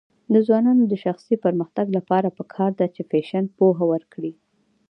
د ځوانانو د شخصي پرمختګ لپاره پکار ده چې فیشن پوهه ورکړي.